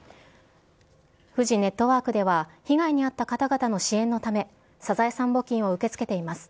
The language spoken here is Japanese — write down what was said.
フジネットワークでは、被害に遭った方々の支援のため、サザエさん募金を受け付けています。